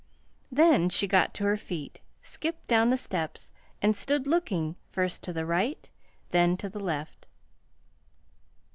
Then she got to her feet, skipped down the steps, and stood looking, first to the right, then to the left.